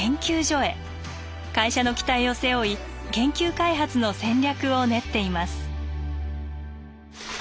会社の期待を背負い研究開発の戦略を練っています。